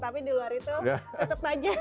tapi di luar itu tetap aja